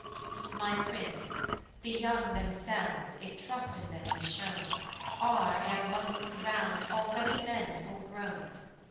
My Prince, the young themselves, if trust in them be shown. Are, ere one looks around, already men full grown.